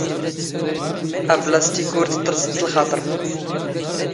ⴰⴱⵍⴰⵙⵜⵉⴽ ⵓⵔ ⴷ ⵜ ⵜⵕⵥⵜ ⵙ ⵍⵅⴰⵟⵕ.